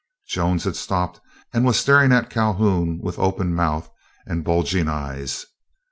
Jones had stopped and was staring at Calhoun with open mouth and bulging eyes.